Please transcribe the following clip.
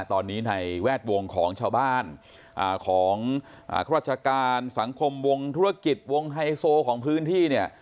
ตอนนี้ในแวดวงของชาวบ้านของราชการสังคมวงธุรกิจวงไฮโซของพื้นที่เนี่ย